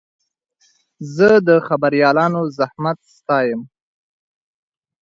زه د خبریالانو زحمت ستایم.